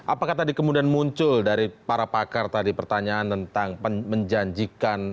apakah tadi kemudian muncul dari para pakar tadi pertanyaan tentang menjanjikan